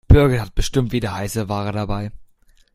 Birgit hat bestimmt wieder heiße Ware dabei.